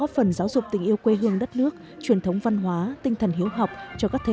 và nhiều hoạt động văn hóa sôi nổi